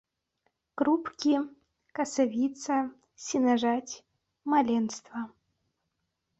Крупкі, касавіца, сенажаць, маленства…